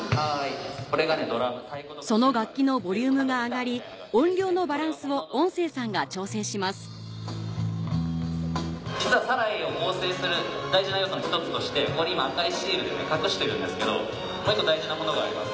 その楽器のボリュームが上がり実は『サライ』を構成する大事な要素の１つとしてここで今赤いシールで隠してるんですけどもう１個大事なものがあります